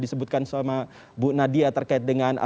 disebutkan sama bu nadia terkait dengan